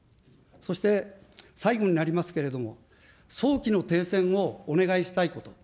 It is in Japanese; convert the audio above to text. そして、最後になりますけれども、早期の停戦をお願いしたいこと。